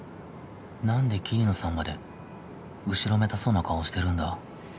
なんで桐野さんまで後ろめたそうな顔してるんだ？